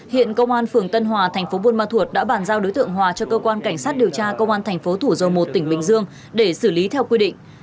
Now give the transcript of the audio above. hiện công an phường tân hòa tp buôn ma thuột đã bàn giao đối tượng hòa cho cơ quan cảnh sát điều tra công an tp thủ dầu một tỉnh bình dương để xử lý theo quy định